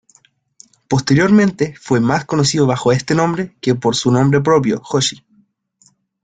Posteriormente fue más conocido bajo este nombre que por su nombre propio Joshi.